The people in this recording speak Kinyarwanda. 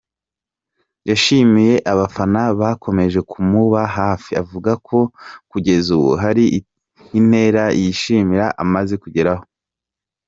Yashimiye abafana bakomeje kumuba hafi avuga ko kugeza ubu hari intera yishimira amaze kugeraho.